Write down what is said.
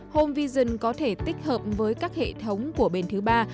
home vision có thể tích hợp với các hệ thống của bên thứ ba